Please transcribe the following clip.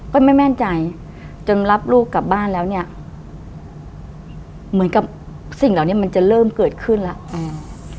ไม่มั่นใจจนรับลูกกลับบ้านแล้วเนี้ยเหมือนกับสิ่งเหล่านี้มันจะเริ่มเกิดขึ้นแล้วอืม